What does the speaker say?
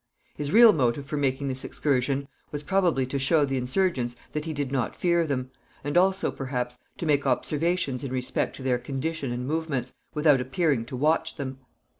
His real motive for making this excursion was probably to show the insurgents that he did not fear them, and also, perhaps, to make observations in respect to their condition and movements, without appearing to watch them.